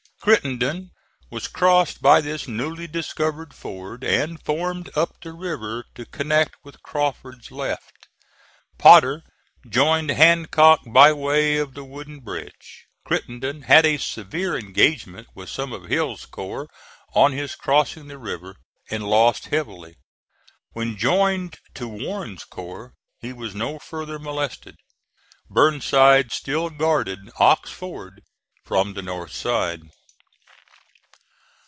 Crittenden was crossed by this newly discovered ford, and formed up the river to connect with Crawford's left. Potter joined Hancock by way of the wooden bridge. Crittenden had a severe engagement with some of Hill's corps on his crossing the river, and lost heavily. When joined to Warren's corps he was no further molested. Burnside still guarded Ox Ford from the north side.